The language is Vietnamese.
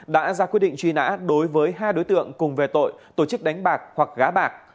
đã ra quyết định truy nã đối với hai đối tượng cùng về tội tổ chức đánh bạc hoặc gá bạc